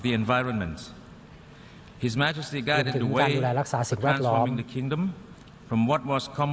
ตื่นถึงการดูแลรักษาศิกรวรรคลอบ